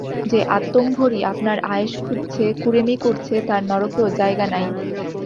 যে আত্মম্ভরি আপনার আয়েস খুঁজছে, কুঁড়েমি করছে, তার নরকেও জায়গা নাই।